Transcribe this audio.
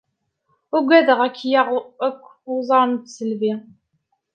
Ugadeɣ ad aɣ-yaɣ akk uẓar n tisselbi!